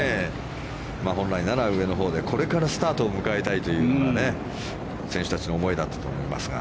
本来なら上のほうでこれからスタートを迎えたいという選手たちの思いだったと思いますが。